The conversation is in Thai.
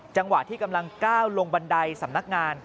จังหวะที่กำลังก้าวลงบันไดสำนักงาน